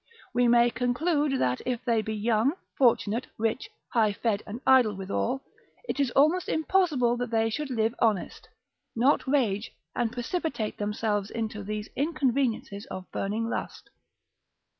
We may conclude, that if they be young, fortunate, rich, high fed, and idle withal, it is almost impossible that they should live honest, not rage, and precipitate themselves into these inconveniences of burning lust.